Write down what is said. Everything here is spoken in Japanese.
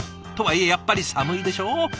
とはいえやっぱり寒いでしょう。